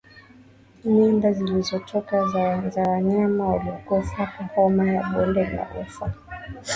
Mimba zilizotoka za wanyama waliokufa kwa homa ya bonde la ufa